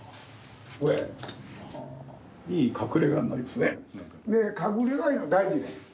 ・いい隠れ家になりますね。